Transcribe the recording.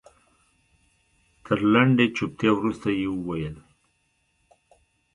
تر لنډې چوپتيا وروسته يې وويل.